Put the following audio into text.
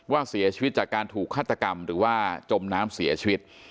ว่าเสียชีวิตจากการถูกฆาตกรรมหรือว่าจมน้ำเสียชีวิต